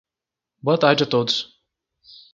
Boa tarde a todos.